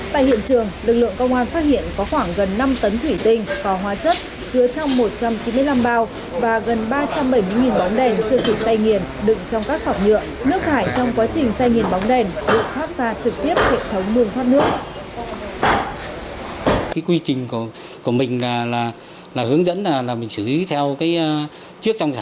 tại hiện trường lực lượng công an phát hiện có khoảng gần năm tấn thủy tinh có hóa chất chứa trong một trăm chín mươi năm bao và gần ba trăm bảy mươi bóng đèn chưa kịp xây nhiền đựng trong các sọc nhựa